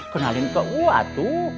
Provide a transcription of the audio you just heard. kenalin ke gue tuh